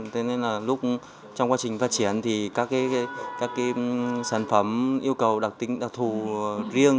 thế nên là trong quá trình phát triển thì các cái sản phẩm yêu cầu đặc thù riêng